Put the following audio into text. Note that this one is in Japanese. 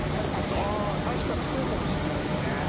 あ確かにそうかもしんないっすね。